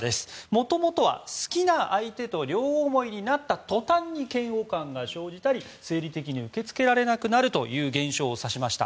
もともとは好きな相手と両思いになったとたんに嫌悪感が生じたり、生理的に受け付けられなくなるという現象を指しました。